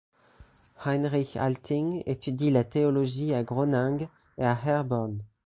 Heinrich Alting étudie la théologie à Groningue et à Herborn.